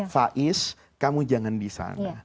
faiz kamu jangan disana